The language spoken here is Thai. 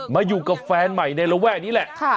มาอยู่กับแฟนใหม่ในระแวกนี้แหละ